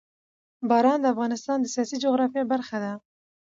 باران د افغانستان د سیاسي جغرافیه برخه ده.